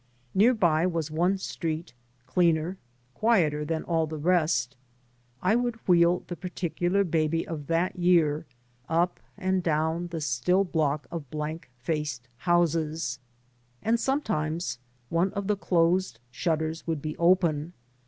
Nearby was one street, cleaner, quieter, than all the rest. I would wheel the particular baby of that year up and down the still block of blank faced houses. And some times one of the closed shutters would be open.